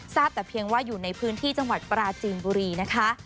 ทราบแต่เพียงว่าอยู่ในพื้นที่จังหวัดปราจีนบุรีนะคะ